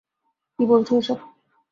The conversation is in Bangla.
কি বলছো এসব?